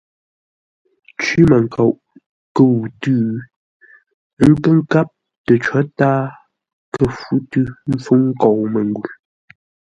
Cwímənkoʼ kə̂u tʉ́, ə́ nkə́ nkáp tə có tǎa kə̂ fú tʉ́ ḿpfúŋ nkou məngwʉ̂.